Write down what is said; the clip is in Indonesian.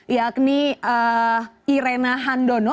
yakni irena handono